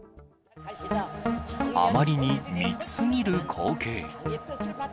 あまりに密すぎる光景。